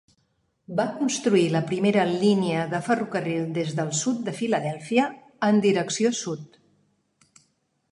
Va construir la primera línia de ferrocarril des del sud de Filadèlfia en direcció sud.